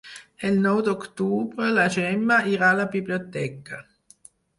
El nou d'octubre na Gemma irà a la biblioteca.